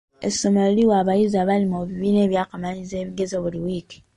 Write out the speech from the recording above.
Essomero liwa abayizi abali mu bibiina eby'akamalirizo ebibuuzo buli wiiki.